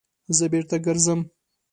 _زه بېرته ګرځم.